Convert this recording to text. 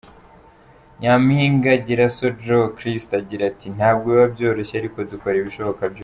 Nyampinga Giraso Joe Christa agira ati :”Ntabwo biba byoroshye ariko dukora ibishoboka byose.